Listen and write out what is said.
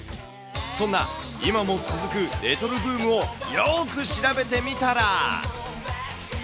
そんな、今も続くレトロブームをよく調べてみたら。